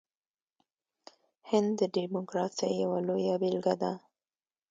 هند د ډیموکراسۍ یوه لویه بیلګه ده.